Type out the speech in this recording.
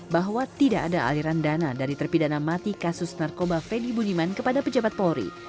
bahwa tidak ada aliran dana dari terpidana mati kasus narkoba freddy budiman kepada pejabat polri